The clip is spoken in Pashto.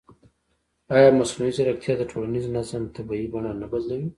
ایا مصنوعي ځیرکتیا د ټولنیز نظم طبیعي بڼه نه بدلوي؟